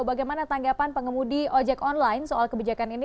bagaimana tanggapan pengemudi ojek online soal kebijakan ini